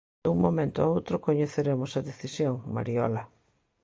Dun momento a outro coñeceremos a decisión, Mariola...